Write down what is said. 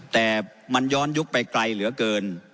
แต่มันย้อนยุคไปไกลเหลือเกิน